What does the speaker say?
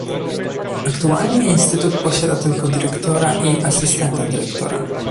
Aktualnie instytut posiada tylko dyrektora i asystenta dyrektora